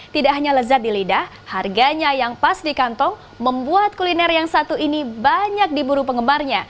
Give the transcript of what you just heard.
tidak hanya lezat di lidah harganya yang pas di kantong membuat kuliner yang satu ini banyak diburu penggemarnya